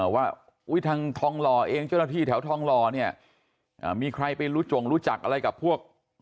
ว่าทางทองล่อเองเจ้าหน้าที่แถวทองล่อมีใครไปรู้จักอะไรกับพวก